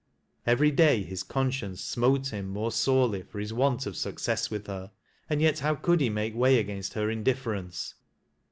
Every day his conscience smote hira more sorely for his want of success with her. And yet how could he make way against her indifference.